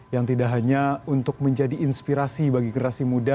yang tidak hanya untuk menjadi inspirasi bagi generasi muda